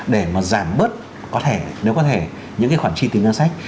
để mà giảm bớt có thể nếu có thể những cái khoản chi từ ngân sách